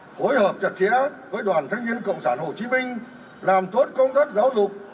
phối hợp chặt chẽ với đoàn thanh niên cộng sản hồ chí minh làm tốt công tác giáo dục